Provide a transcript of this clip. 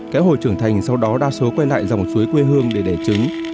ké hồi trưởng thành sau đó đa số quay lại dòng suối quê hương để đẻ trứng